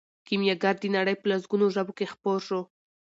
کیمیاګر د نړۍ په لسګونو ژبو کې خپور شو.